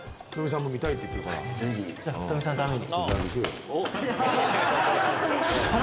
じゃあ福冨さんのために。